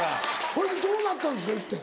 ほいでどうなったんですか行って。